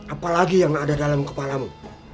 apalagi yang ada dalam kepalamu